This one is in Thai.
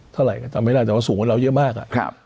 เท่าไหร่ก็จำไม่ได้แต่ว่าสูงกว่าเราเยอะมาก